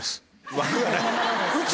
枠がない。